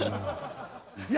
いや。